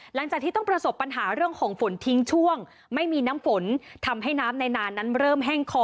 หลังจากที่ต้องประสบปัญหาเรื่องของฝนทิ้งช่วงไม่มีน้ำฝนทำให้น้ำในนานนั้นเริ่มแห้งคอ